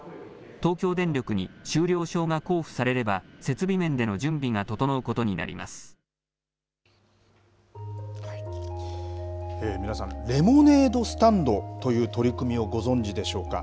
東京電力に終了証が交付されれば、設備面での準備が整うことになり皆さん、レモネードスタンドという取り組みをご存じでしょうか。